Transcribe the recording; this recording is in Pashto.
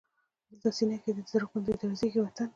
دلته سینه کې دی د زړه غوندې درزېږي وطن